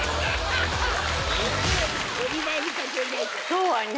今日はね